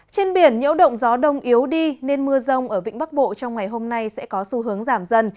trên biển nhiễu động gió đông yếu đi nên mưa rông ở vĩnh bắc bộ trong ngày hôm nay sẽ có xu hướng giảm dần